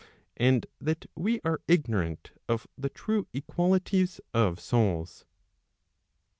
And that we are ignorant of the true equalities of souls.